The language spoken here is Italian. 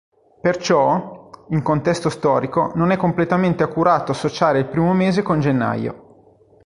Perciò, in contesto storico, non è completamente accurato associare il primo mese con gennaio.